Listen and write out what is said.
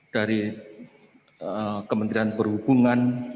dari kementerian perhubungan